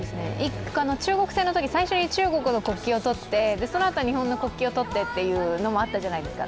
中国戦のとき最初に中国の国旗をとってそのあと日本の国旗を取ってというのもあったじゃないですか。